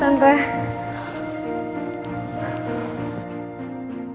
terima kasih tante